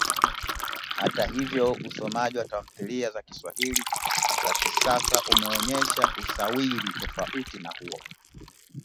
Hata hivyo, usomaji wa tamthilia za Kiswahili za kisasa umeonyesha usawiri tofauti na huo